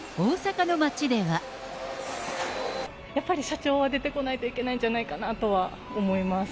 やっぱり社長は出てこないといけないんじゃないかなとは思います。